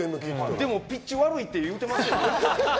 でもピッチ悪いって言ってますよね。